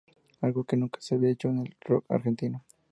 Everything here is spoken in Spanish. Algo que nunca se había hecho en el rock argentino.